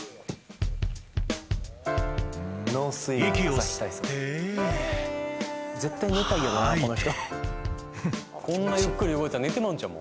アサヒ？へえーこんなゆっくり動いたら寝てまうんちゃう？